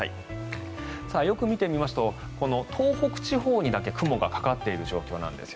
よく見てみますと東北地方にだけ雲がかかっている状況なんです。